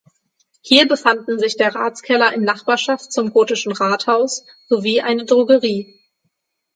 Hier befanden sich der Ratskeller in Nachbarschaft zum gotischen Rathaus sowie eine Drogerie.